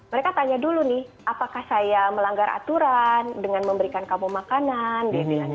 mereka tanya dulu nih apakah saya melanggar aturan dengan memberikan kamu makanan